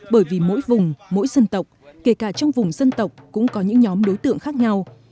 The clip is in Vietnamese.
bởi vì mỗi vùng mỗi dân tộc kể cả trong vùng dân tộc cũng có những nhóm đối tượng khác nhau